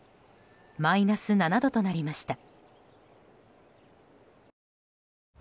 マイナス７度となりました。